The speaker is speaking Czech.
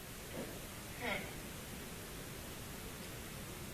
Tomáš Tuhý je rozvedený a má tři děti.